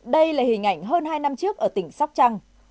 đây là hình ảnh hơn hai năm trước ở tỉnh sóc trăng